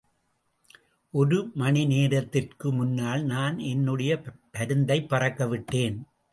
ஒரு மணிநேரத்திற்கு முன்னால் நான் என்னுடைய பருந்தைப் பறக்கவிட்டேன்.